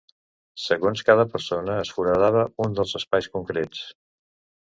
Segons cada persona es foradava un dels espais concrets.